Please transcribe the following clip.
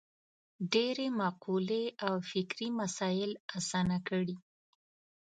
ډېرې مقولې او فکري مسایل اسانه کړي.